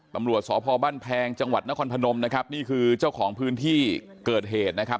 ตำรวจสพบ้านแพงจังหวัดนครพนมนะครับนี่คือเจ้าของพื้นที่เกิดเหตุนะครับ